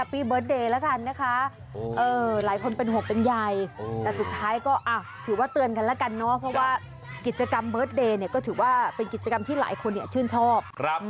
เมิร์ทเดย์เนี่ยก็ถือว่าเป็นกิจกรรมที่หลายคนเนี่ยชื่นชอบ